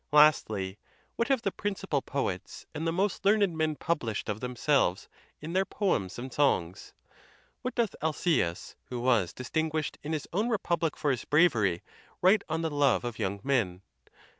Lastly, what have the principal poets and the most learned men published of themselves in their poems and songs? What doth Aleczus, who was 158 THE TUSCULAN DISPUTATIONS. distinguished in his own republic for his bravery, write on the love of young men?